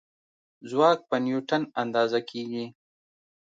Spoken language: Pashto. ځواک په نیوټن اندازه کېږي.